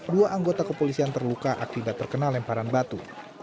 dua anggota kepolisian terluka akibat terkena lemparan batu